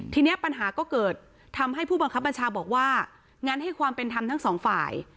ทีนี้ปัญหาก็เกิดทำให้ผู้บังคับบัญชาบอกว่างั้นให้ความเป็นธรรมทั้งสองฝ่าย